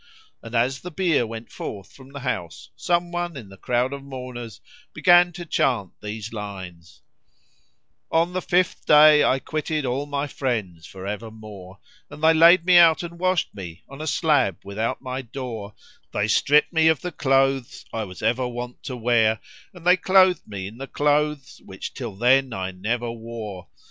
And as the bier went forth from the house some one in the crowd of mourners began to chant these lines, "On the fifth day I quitted al my friends for evermore, * And they laid me out and washed me on a slab without my door:[FN#22] They stripped me of the clothes I was ever wont to wear, * And they clothed me in the clothes which till then I never wore.